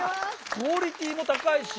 クオリティーも高いし。